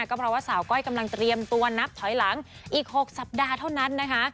ก็เพราะว่าสาวก้อยกำลังเตรียมตัวนับถอยหลังอีก๖สัปดาห์เท่านั้นนะคะ